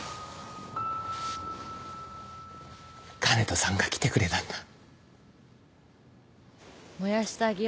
香音人さんが来てくれたんだ。